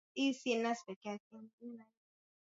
tamko hilo ni ishara kuwa siku za bagbo kuondoka madarakani